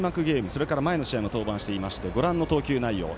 それから前の試合も登板していましてご覧の投球内容。